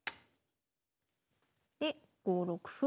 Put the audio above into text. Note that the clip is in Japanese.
で５六歩。